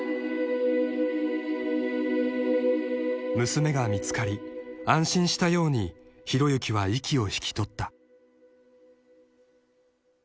［娘が見つかり安心したように浩之は息を引き取った］